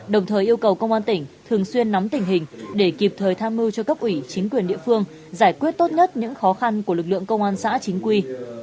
đồng thời yêu cầu công an tỉnh thường xuyên nắm tình hình để kịp thời tham mưu cho cấp ủy chính quyền địa phương giải quyết tốt nhất những khó khăn của lực lượng công an xã chính quy